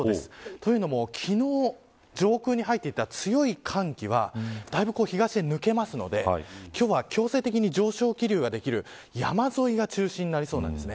というのも昨日、上空に入っていた強い寒気はだいぶ東に抜けますので今日は強制的に上昇気流ができる山沿いを中心になりそうです。